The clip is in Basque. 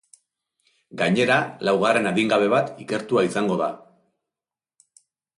Gainera, laugarren adingabe bat ikertua izango da.